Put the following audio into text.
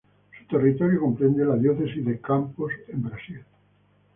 Su territorio comprende la diócesis de Campos en Brasil.